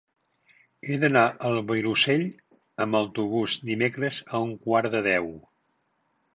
He d'anar al Vilosell amb autobús dimecres a un quart de deu.